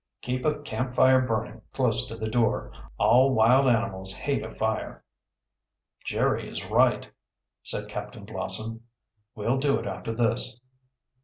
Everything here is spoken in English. "Keep a camp fire burning close to the door. All wild animals hate a fire." "Jerry is right," said Captain Blossom. "We'll do it after this."